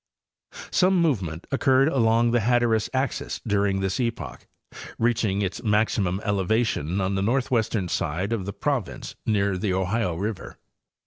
Some movement occurred along the Hatteras axis during this epoch, reaching its maximum elevation on the northwestern side of the province near the Ohio river.